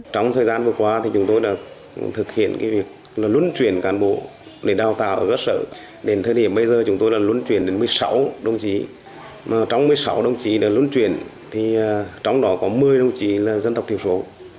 trong thời gian vừa qua thì chúng tôi đã thực hiện việc luân chuyển cán bộ để đào tạo ở cơ sở đến thời điểm bây giờ chúng tôi đã luân chuyển đến một mươi sáu đồng chí trong một mươi sáu đồng chí đã luân chuyển trong đó có một mươi đồng chí là dân tộc thiểu số